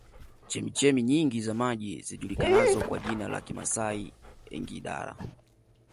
Chemchemi nyingi za maji zijulikanazo kwa jina la Kimasai Engidara